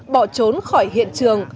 bỏ trốn khỏi hiện trường